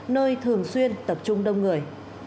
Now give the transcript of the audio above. nơi thường xuyên tập trung đông người